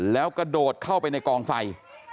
แล้วกระโดดเข้าไปในกองไฟ